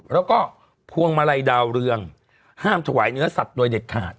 แล้วก็พวงมาลัยดาวเรืองห้ามถวายเนื้อสัตว์โดยเด็ดขาด